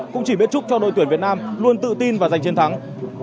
cũng chỉ biết chúc cho đội tuyển việt nam luôn tự tin và giành chiến thắng